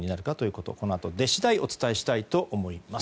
このあと、出次第お伝えしたいと思います。